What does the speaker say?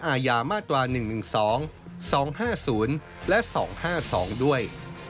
อาญามาตรา๑๑๒๒๕๐และ๒๕๒ด้วย